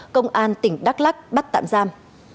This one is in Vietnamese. công an tỉnh đắk lắc bắt tạm giam